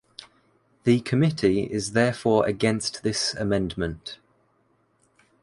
The committee is therefore against this amendment.